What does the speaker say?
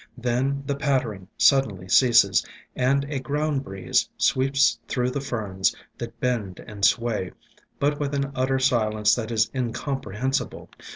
Then the pattering suddenly ceases, and a ground breeze sweeps through the Ferns, that bend and sway, but with an utter silence that is incomprehensible.